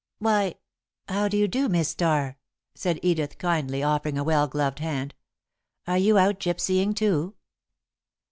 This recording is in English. "Why, how do you do, Miss Starr?" said Edith, kindly, offering a well gloved hand. "Are you out gypsying too?"